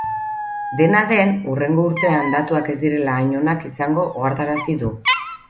Dena den, hurrengo urtean datuak ez direla hain onak izango ohartarazi du.